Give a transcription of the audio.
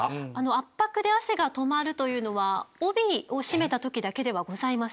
圧迫で汗がとまるというのは帯を締めた時だけではございません。